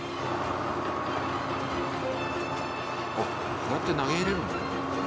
こうやって投げ入れるの？